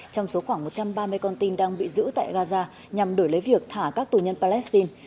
trong số khoảng một trăm ba mươi con tin đang bị giữ tại gaza nhằm đổi lấy việc thả các tù nhân palestine